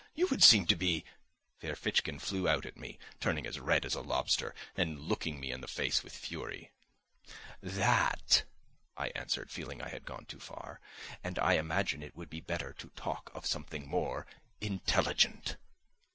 You would seem to be ..." Ferfitchkin flew out at me, turning as red as a lobster, and looking me in the face with fury. "Tha at," I answered, feeling I had gone too far, "and I imagine it would be better to talk of something more intelligent."